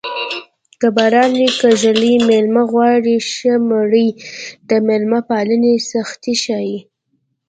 که باران وي که ږلۍ مېلمه غواړي ښه مړۍ د مېلمه پالنې سختي ښيي